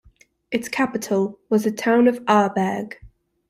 Its capital was the town of Aarberg.